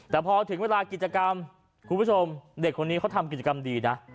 แต่พอถึงเวลากิจกรรมคุณผู้ชมเด็กคนนี้เขาทำกิจกรรมดีนะ